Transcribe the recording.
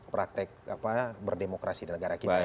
praktek berdemokrasi di negara kita